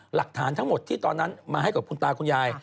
หลักฐานทั้งหมดที่ตอนนั้นมาให้กับคุณตาคุณยาย